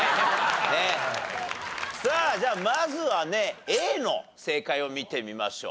さあじゃあまずはねＡの正解を見てみましょう。